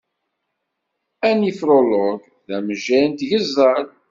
Anifrolog d amejjay n tgeẓẓal.